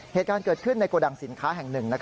เหตุการณ์เกิดขึ้นในโกดังสินค้าแห่งหนึ่ง